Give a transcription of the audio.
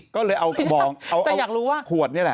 ก็เลยเอากระบองเอาขวดเนี่ยน่ะ